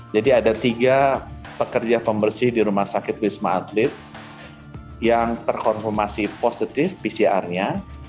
jadi ada tiga pekerja pembersih di rumah sakit wisma atlet yang terkonformasi positif pcr nya